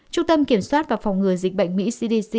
trung tâm kiểm soát và phòng ngừa dịch bệnh mỹ cdc